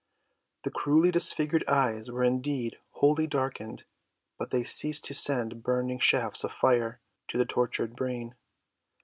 The cruelly disfigured eyes were indeed wholly darkened, but they ceased to send burning shafts of fire to the tortured brain.